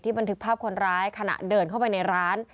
บันทึกภาพคนร้ายขณะเดินเข้าไปในร้าน